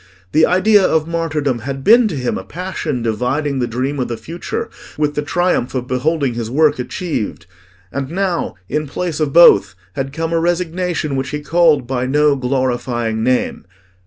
The idea of martyrdom had been to him a passion dividing the dream of the future with the triumph of beholding his work achieved. And now, in place of both, had come a resignation which he called by no glorifying name.